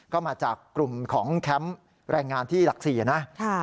ก็มาจากกลุ่มของแคมป์แรงงานที่หลัก๔นะ